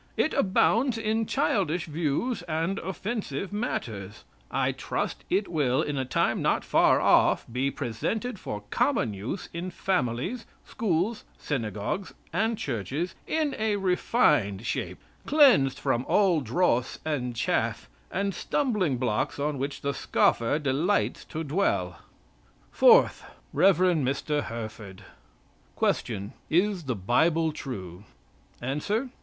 It abounds in childish views and offensive matters. I trust it will, in a time not far off, be presented for common use in families, schools, synagogues and churches, in a refined shape, cleansed from all dross and chaff, and stumbling blocks on which the scoffer delights to dwell." FOURTH, REV. MR. HERFORD. Question. Is the Bible true? Answer.